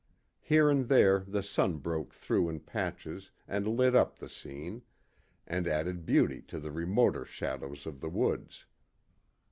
Here and there the sun broke through in patches and lit up the scene, and added beauty to the remoter shadows of the woods.